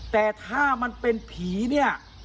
แต่ถ้ามันเป็นผีเนี่ย